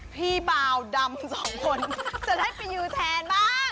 พี่บาวดำสองคนจะได้ไปยูแทนบ้าง